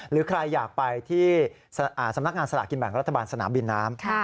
หรือใครอยากไปที่สำนักงานสลากกินแบ่งรัฐบาลสนามบินน้ำ